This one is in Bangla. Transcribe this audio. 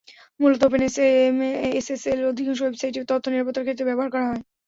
মূলত ওপেন এসএসএল অধিকাংশ ওয়েবসাইটে তথ্য নিরাপত্তার ক্ষেত্রে ব্যবহার করা হয়।